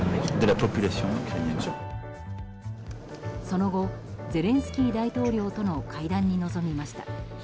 その後ゼレンスキー大統領との会談に臨みました。